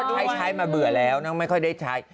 อะเราก็ใช้มาเบื่อแล้วนะไม่ค่อยได้ใช้